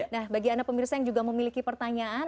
nah bagi anda pemirsa yang juga memiliki pertanyaan